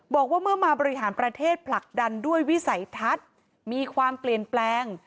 บอกว่าเมื่อมาบริหารประเทศผลักดันด้วยวิสัยทัศน์มีความเปลี่ยนแปลง